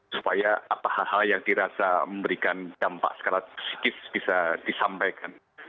supaya apa apa yang dirasa memberikan dampak skala psikis bisa disampaikan